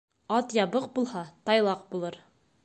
Ат ябыҡ булһа тайлаҡ булыр.